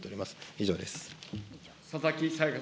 以上です。